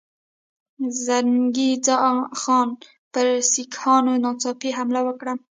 زنګي خان پر سیکهانو ناڅاپي حمله وکړه.